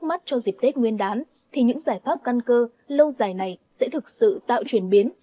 mắt cho dịp tết nguyên đán thì những giải pháp căn cơ lâu dài này sẽ thực sự tạo chuyển biến